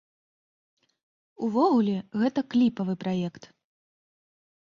Увогуле, гэта кліпавы праект.